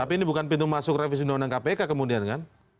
tapi ini bukan pintu masuk revisi undang undang kpk kemudian kan